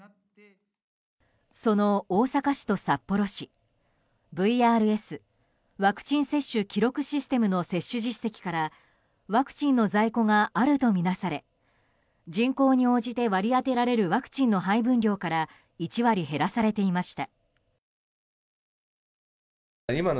その大阪市と札幌市ＶＲＳ・ワクチン接種記録システムの接種実績からワクチンの在庫があるとみなされ人口に応じて割り当てられるワクチンの配分量から１割減らされていました。